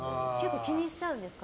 気にしちゃうんですか？